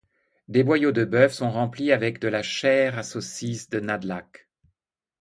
Des boyaux de bœuf sont remplis avec la chair à saucisse de Nădlac.